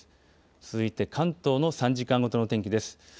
続いて関東の３時間ごとの天気です。